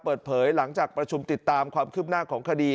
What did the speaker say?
เปิดเผยหลังจากประชุมติดตามความคืบหน้าของคดี